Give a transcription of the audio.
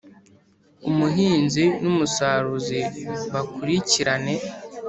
umuhinzi n’umusaruzi bakurikirane,